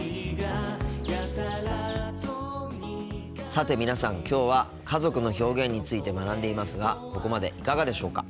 さて皆さんきょうは家族の表現について学んでいますがここまでいかがでしょうか。